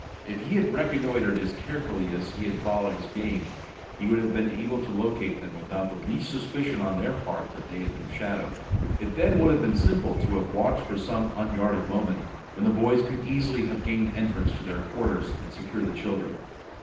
If he had reconnoitered as carefully as he had followed his game, he would have been able to locate them without the least suspicion on their part that they had been shadowed. It then would have been simple to have watched for some unguarded moment, when the boys could easily have gained entrance to their quarters and secured the children.